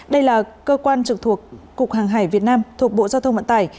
đây là cơ quan trực thuộc cục hàng hải việt nam thuộc bộ giao thông vận tải